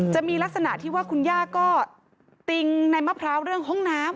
จะมีลักษณะที่ว่าคุณย่าก็ติงในมะพร้าวเรื่องห้องน้ำ